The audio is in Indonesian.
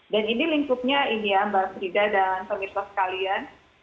dan ini lingkupnya ini ya mbak frida dan pemirsa sekalian